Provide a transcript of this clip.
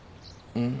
うん？